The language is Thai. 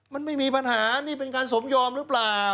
มันไม่มีปัญหานี่เป็นการสมยอมหรือเปล่า